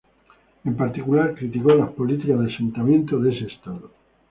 En particular, criticó las políticas de asentamiento de ese Estado.